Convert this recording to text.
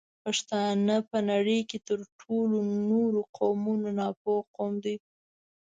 پښتانه په نړۍ کې تر ټولو نورو قومونو ناپوه قوم دی